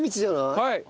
はい。